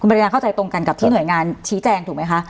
ภรรยาเข้าใจตรงกันกับที่หน่วยงานชี้แจงถูกไหมคะ